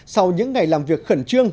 sau những ngày làm việc khẩn trương